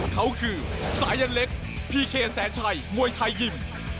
เขาคือสายันเล็กพีเคแสนชัยมวยไทยยิม